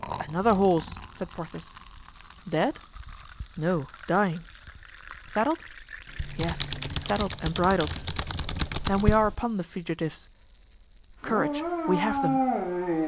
"Another horse!" said Porthos. "Dead?" "No, dying." "Saddled?" "Yes, saddled and bridled." "Then we are upon the fugitives." "Courage, we have them!"